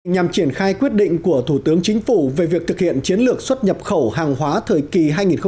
nhằm triển khai quyết định của thủ tướng chính phủ về việc thực hiện chiến lược xuất nhập khẩu hàng hóa thời kỳ hai nghìn một mươi chín hai nghìn hai mươi